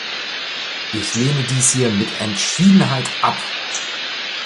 Ich lehne dies hier mit Entschiedenheit ab!